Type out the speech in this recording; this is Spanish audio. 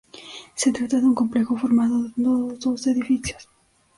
Se trata de un complejo formado dos edificios.